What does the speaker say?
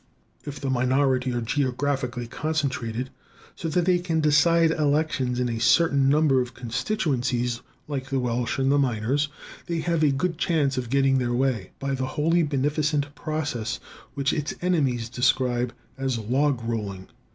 If the minority are geographically concentrated, so that they can decide elections in a certain number of constituencies, like the Welsh and the miners, they have a good chance of getting their way, by the wholly beneficent process which its enemies describe as log rolling.